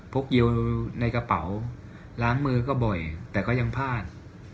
เยียวในกระเป๋าล้างมือก็บ่อยแต่ก็ยังพลาด